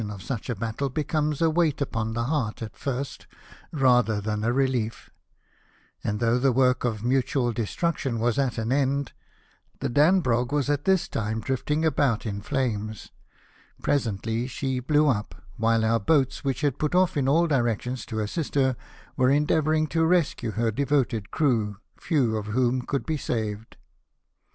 241 of such a battle becomes a weight upon the heart at first, rather than a rehef ; and though the work of mutual destruction was at an end, the Danhrog was at this time drifting about in flames ; presently she blew up, while our boats, which had put off in all directions to assist her, were endeavouring to rescue her devoted crew, few of whom could be saved.